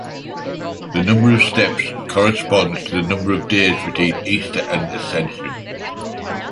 The number of steps corresponds to the number of days between Easter and Ascension.